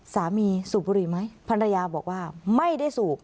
สูบบุหรี่ไหมภรรยาบอกว่าไม่ได้สูบ